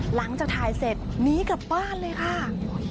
หลังจากถ่ายเสร็จหนีกลับบ้านเลยค่ะ